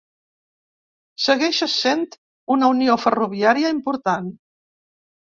Segueix essent una unió ferroviària important.